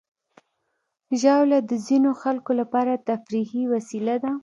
ژاوله د ځینو خلکو لپاره تفریحي وسیله ده.